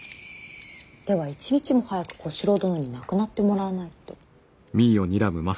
では一日も早く小四郎殿に亡くなってもらわないと。